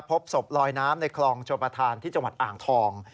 พบศพลอยน้ำในคลองชมประธานที่จังหวัดอ่างทอง